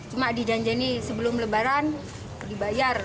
cuma di janjani sebelum lebaran dibayar